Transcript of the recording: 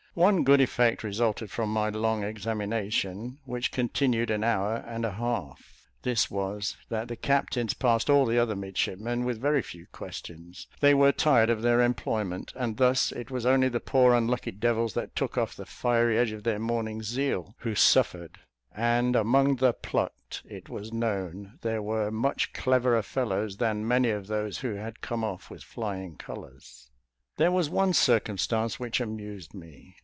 One good effect resulted from my long examination, which continued an hour and a half this was, that the captains passed all the other midshipmen with very few questions. They were tired of their employment; and thus it was only the poor unlucky devils that took off the fiery edge of their morning zeal, who suffered; and among "the plucked," it was known there were much cleverer fellows than many of those who had come off with flying colours. There was one circumstance which amused me.